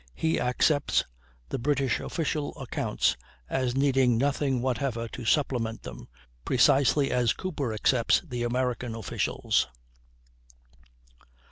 He accepts the British official accounts as needing nothing whatever to supplement them, precisely as Cooper accepts the American officials'.